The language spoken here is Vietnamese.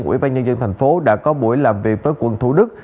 của ủy ban nhân dân tp hcm đã có buổi làm việc với quận thủ đức